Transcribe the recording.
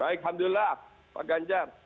baik alhamdulillah pak ganjar